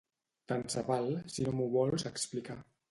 Tant se val si no m'ho vols explicar